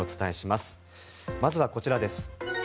まずは、こちらです。